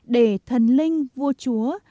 để thần linh vua chúa